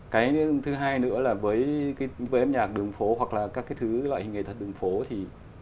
cái thứ hai nữa là với cái âm nhạc đường phố hoặc là các cái thứ loại hình nghệ thuật đường phố thì